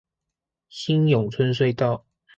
新永春隧道